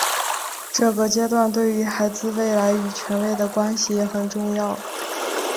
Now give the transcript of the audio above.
这个阶段对于孩子未来与权威的关系也很重要。